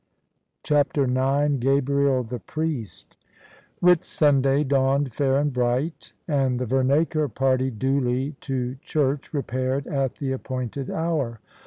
CHAPTER IX GABRIEL THE PRIEST Whit Sunday dawned fair and bright: and the Vemacre party duly to church repaired at the appointed hour.